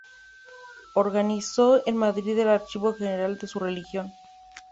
Organizó en Madrid el Archivo general de su Religión.